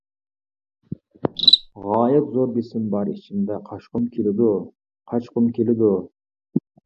غايەت زور بېسىم بار ئىچىمدە قاچقۇم كېلىدۇ، قاچقۇم كېلىدۇ.